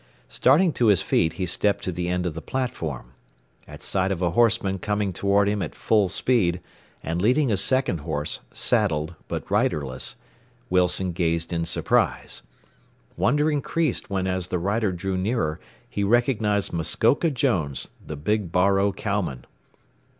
Starting to his feet, he stepped to the end of the platform. At sight of a horseman coming toward him at full speed, and leading a second horse, saddled, but riderless, Wilson gazed in surprise. Wonder increased when as the rider drew nearer he recognized Muskoka Jones, the big Bar O cowman.